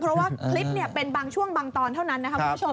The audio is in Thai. เพราะว่าคลิปเป็นบางช่วงบางตอนเท่านั้นนะครับคุณผู้ชม